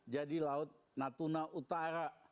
jadi laut natuna utara